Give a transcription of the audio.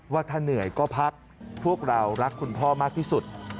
ว่าถ้าเหนื่อยก็พักพวกเรารักคุณพ่อมากที่สุด